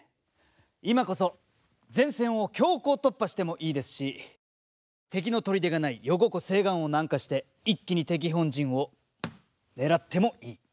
今こそ前線を強行突破してもいいですし敵の砦がない余呉湖西岸を南下して一気に本陣を狙ってもいい。